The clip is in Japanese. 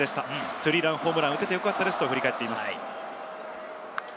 スリーランホームランを打ててよかったですと振り返っていました。